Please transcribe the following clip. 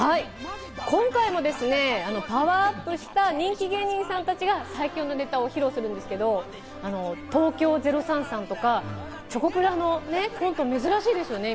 今回もパワーアップした人気芸人さんたちが最強のネタを披露するんですけど、東京０３さんとか、チョコプラのコント、珍しいですよね。